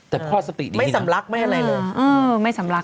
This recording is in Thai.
แต่พ่อสติดีนะไม่สำลักไม่อะไรเลย